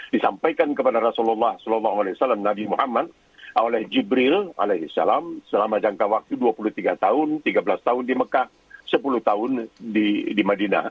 disampaikan kepada rasulullah saw nabi muhammad oleh jibril alaihis salam selama jangka waktu dua puluh tiga tahun tiga belas tahun di mekah sepuluh tahun di madinah